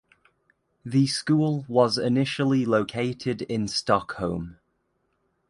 The school was initially located in Stockholm.